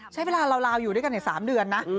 เวลาราวอยู่ด้วยกัน๓เดือนนะ